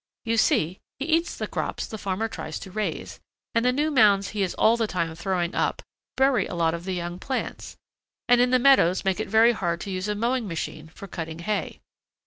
You see he eats the crops the farmer tries to raise, and the new mounds he is all the time throwing up bury a lot of the young plants, and in the meadows make it very hard to use a mowing machine for cutting hay.